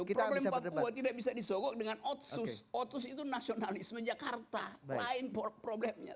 problem papua tidak bisa disogok dengan otsus otsus itu nasionalisme jakarta lain problemnya